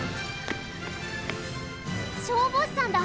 消防士さんだ！